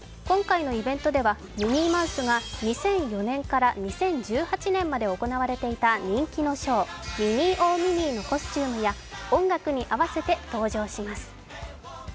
今回のイベントではミニーマウスが２００４年から２０１８年まで行われていた人気のショー「ミニー・オー！ミニー」のコスチュームや音楽に合わせて登場します。